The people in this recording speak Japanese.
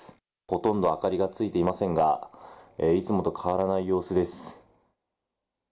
ほとんど明かりがついていませんが、いつもと変わらない様子です。